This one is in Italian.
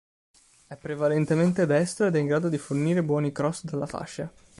È prevalentemente destro ed è in grado di fornire buoni cross dalla fascia.